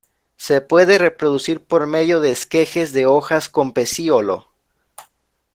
Se puede reproducir por medio de esquejes de hojas con pecíolo.